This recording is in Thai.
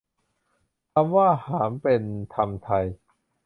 คำว่า หำ เป็นคำไท